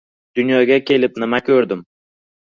— Dunyoga kelib nima ko‘rdim...